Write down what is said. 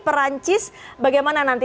perancis bagaimana nanti